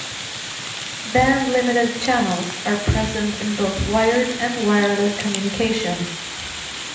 Bandlimited channels are present in both wired and wireless communications.